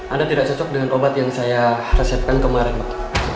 anda tidak cocok dengan obat yang saya resepkan kemarin pak